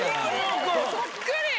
そっくり。